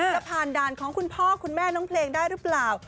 จะผ่านด่านของคุณพ่อคุณแม่น้องเพลงได้หรือเปล่า